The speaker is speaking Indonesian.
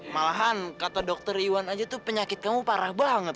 malahan kata dokter iwan aja tuh penyakit kamu parah banget